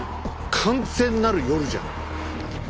完全なる夜じゃん。